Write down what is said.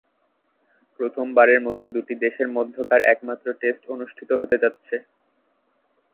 প্রথমবারের মতো দুটি দেশের মধ্যকার একমাত্র টেস্ট অনুষ্ঠিত হতে যাচ্ছে।